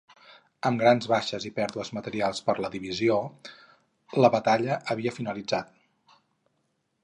Amb grans baixes i pèrdues materials per a la divisió, la batalla havia finalitzat.